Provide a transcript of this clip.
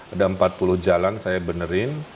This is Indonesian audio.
ada empat puluh jalan saya benerin